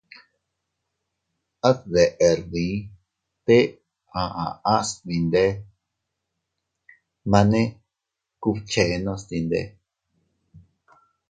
At deʼer dii te a aʼas dinde, mane kubchenos dinde.